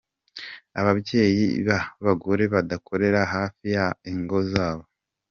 Ababyeyi b’abagore badakorera hafi y’ingo zabo.